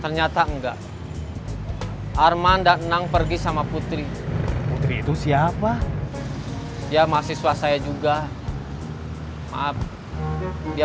ternyata enggak arman dan menang pergi sama putri putri itu siapa ya mahasiswa saya juga maaf dia